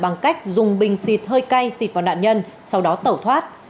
bằng cách dùng bình xịt hơi cay xịt vào nạn nhân sau đó tẩu thoát